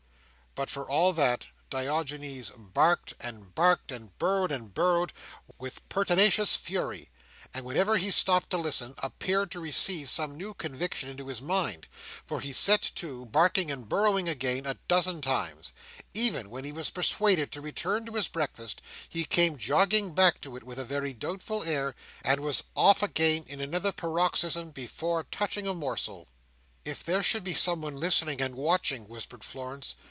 But for all that, Diogenes barked and barked, and burrowed and burrowed, with pertinacious fury; and whenever he stopped to listen, appeared to receive some new conviction into his mind, for he set to, barking and burrowing again, a dozen times. Even when he was persuaded to return to his breakfast, he came jogging back to it, with a very doubtful air; and was off again, in another paroxysm, before touching a morsel. "If there should be someone listening and watching," whispered Florence.